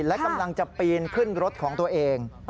และกำลังจะปีนขึ้นรถของตัวเอง